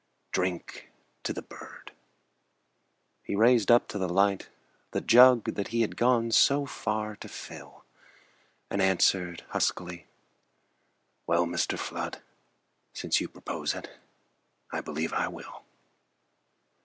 Drink to the bird." He raised up to the light The jug that he had gone so far to fill, And answered huskily: "Well, Mr. Flood, Since you propose it, I believe I will."